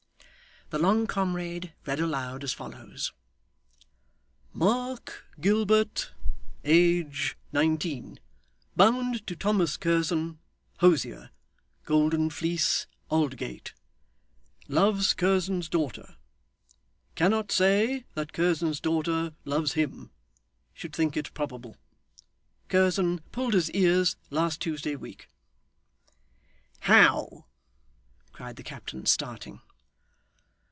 The long comrade read aloud as follows: 'Mark Gilbert. Age, nineteen. Bound to Thomas Curzon, hosier, Golden Fleece, Aldgate. Loves Curzon's daughter. Cannot say that Curzon's daughter loves him. Should think it probable. Curzon pulled his ears last Tuesday week.' 'How!' cried the captain, starting.